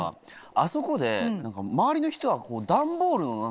あそこで周りの人は。